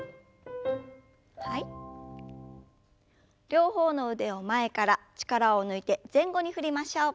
両方の腕を前から力を抜いて前後に振りましょう。